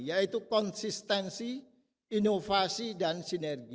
yaitu konsistensi inovasi dan sinergi